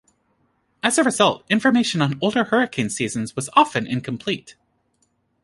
As a result, information on older hurricane seasons was often incomplete.